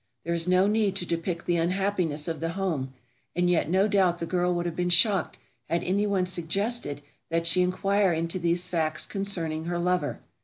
There is no need to depict the unhappiness of the home, and yet no doubt the girl would have been shocked had anyone suggested that she inquire into these facts concerning her lover.